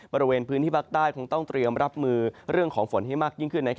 บริเวณพื้นที่ภาคใต้คงต้องเตรียมรับมือเรื่องของฝนให้มากยิ่งขึ้น